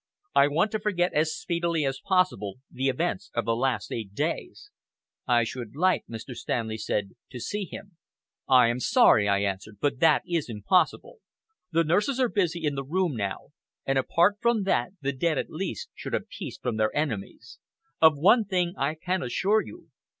I want to forget as speedily as possible the events of the last eight days." "I should like," Mr. Stanley said, "to see him." "I am sorry," I answered, "but that is impossible. The nurses are busy in the room now, and apart from that, the dead, at least, should have peace from their enemies. Of one thing I can assure you.